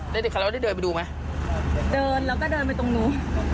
แล้วเด็กเราได้เดินไปดูไหมเดินแล้วก็เดินไปตรงนู้น